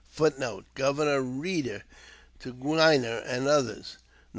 [Footnote: Governor Reeder to Gwiner and others, Nov.